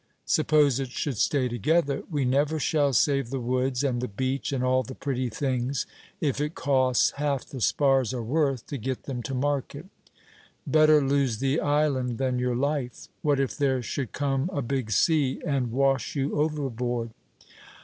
"Suppose it should stay together. We never shall save the woods, and the beach, and all the pretty things, if it costs half the spars are worth to get them to market." "Better lose the island than your life; what if there should come a big sea, and wash you overboard?"